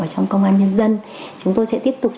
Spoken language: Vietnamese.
trong công an nhân dân chúng tôi sẽ tiếp tục